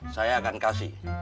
saya akan kasih